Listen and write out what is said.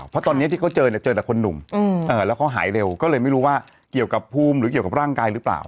เพราะตอนนี้ที่เขาเจอเนี่ยเจอแต่คนหนุ่มแล้วเขาหายเร็วก็เลยไม่รู้ว่าเกี่ยวกับภูมิหรือเกี่ยวกับร่างกายหรือเปล่า